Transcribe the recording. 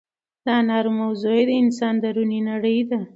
د اثارو موضوع یې د انسان دروني نړۍ ده.